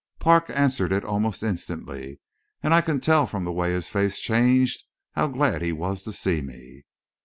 Parks answered it almost instantly, and I could tell from the way his face changed how glad he was to see me.